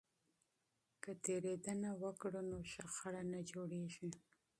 که تیریدنه وکړو نو شخړه نه جوړیږي.